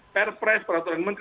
perpres peraturan menteri